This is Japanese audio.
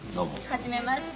はじめまして。